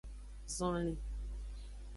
Zonlin.